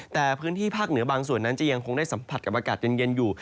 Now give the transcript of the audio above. แต่พื้นที่ภาคเหนือบางส่วนนั้นจะยังคงได้สัมผัสกับอากาศเย็นอยู่